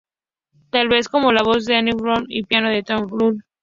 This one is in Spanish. Tales como la voz de Annie Haslam y piano de John Tout.